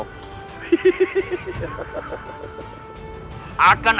sombong sekali kau brewo